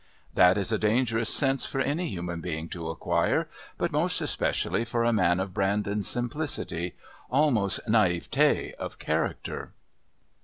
That is a dangerous sense for any human being to acquire, but most especially for a man of Brandon's simplicity, almost naïveté of character.